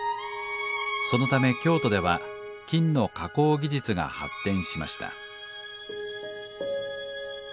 そのため京都では金の加工技術が発展しました